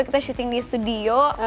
kita syuting di studio